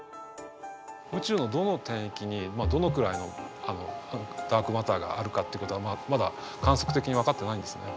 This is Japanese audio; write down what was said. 宇宙のどの天域にどのくらいのダークマターがあるかっていうことはまだ観測的に分かってないんですね。